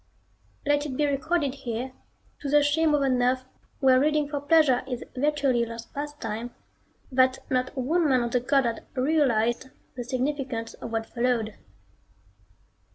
Let it be recorded here, to the shame of an Earth where reading for pleasure is virtually a lost pastime, that not one man on the Goddard realized the significance of what followed.